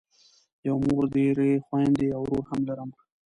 یوه مور درې خویندې او ورور هم لرم.